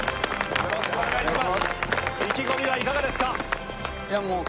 よろしくお願いします！